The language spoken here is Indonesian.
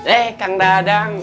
eh kang dadang